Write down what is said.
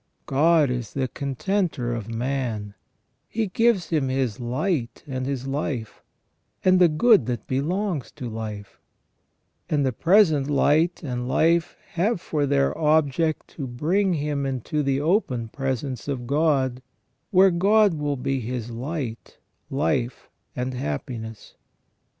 God is the contenter of man ; He gives him his light and his life, and the good that belongs to life ; and the pre sent light and life have for their object to bring him into the open presence of God, where God will be his light, life, and happiness.